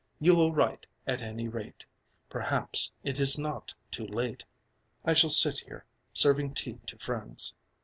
You will write, at any rate. Perhaps it is not too late. I shall sit here, serving tea to friends."